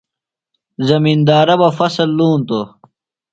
زمندارہ بہ فصۡل لونتوۡ۔